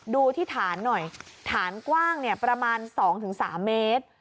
ดูที่ฐานหน่อยฐานกว้างประมาณ๒๓เมตร